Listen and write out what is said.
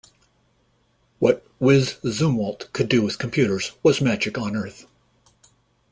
What "Wiz" Zumwalt could do with computers was magic on Earth.